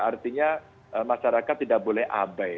artinya masyarakat tidak boleh abai